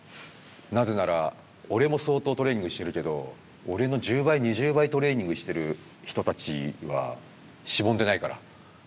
なぜなら俺も相当トレーニングしてるけど俺の１０倍２０倍トレーニングしてる人たちはしぼんでないから。